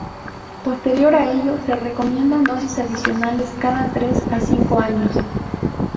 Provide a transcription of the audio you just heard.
Posterior a ello, se recomiendan dosis adicionales cada tres a cinco años.